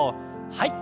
はい。